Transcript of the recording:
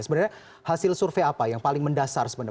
sebenarnya hasil survei apa yang paling mendasar sebenarnya